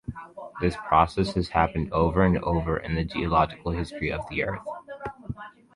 This process has happened over and over in the geologic history of the Earth.